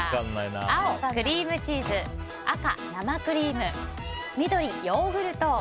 青、クリームチーズ赤、生クリーム緑、ヨーグルト。